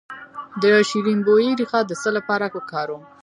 د شیرین بویې ریښه د څه لپاره وکاروم؟